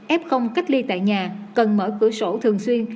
ép không cách ly tại nhà cần mở cửa sổ thường xuyên